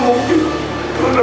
mama bencana besar